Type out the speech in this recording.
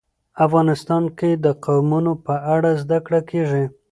افغانستان کې د قومونه په اړه زده کړه کېږي.